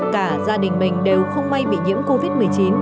cả gia đình mình đều không may bị nhiễm covid một mươi chín